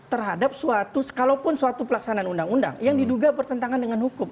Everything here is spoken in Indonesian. terhadap suatu kalaupun suatu pelaksanaan undang undang yang diduga bertentangan dengan hukum